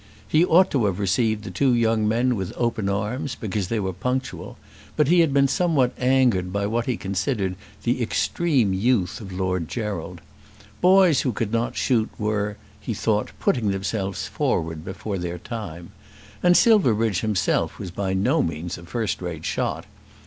He ought to have received the two young men with open arms because they were punctual; but he had been somewhat angered by what he considered the extreme youth of Lord Gerald. Boys who could not shoot were, he thought, putting themselves forward before their time. And Silverbridge himself was by no means a first rate shot.